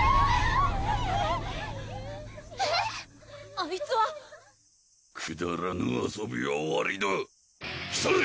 あいつはくだらぬ遊びは終わりだ来たれ！